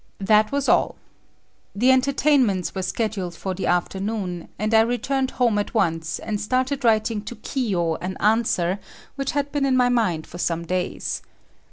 That was all. The entertainments were scheduled for the afternoon, and I returned home once and started writing to Kiyo an answer which had been in my mind for some days.